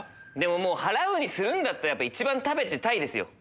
もう払うにするんだったら一番食べてたいですよ。